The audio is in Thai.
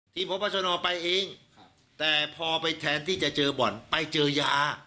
พบชนไปเองแต่พอไปแทนที่จะเจอบ่อนไปเจอยา